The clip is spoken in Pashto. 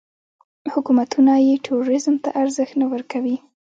حکومتونه یې ټوریزم ته ارزښت نه ورکوي.